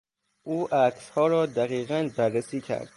او عکسها را دقیقا بررسی کرد.